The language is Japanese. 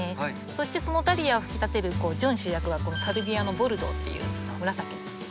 そしてそのダリアを引き立てる準主役はこのサルビアのボルドーっていう紫のお花です。